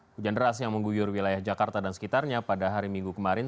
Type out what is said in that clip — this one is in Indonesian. hujan deras yang mengguyur wilayah jakarta dan sekitarnya pada hari minggu kemarin